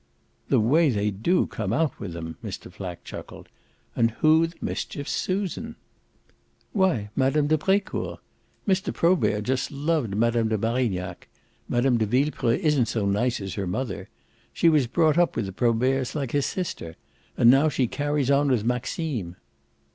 "The way they do come out with 'em!" Mr. Flack chuckled. "And who the mischief's Susan?" "Why Mme. de Brecourt. Mr. Probert just loved Mme. de Marignac. Mme. de Villepreux isn't so nice as her mother. She was brought up with the Proberts, like a sister, and now she carries on with Maxime."